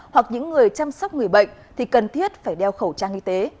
hoặc những người chăm sóc người bệnh thì cần thiết phải đeo khẩu trang y tế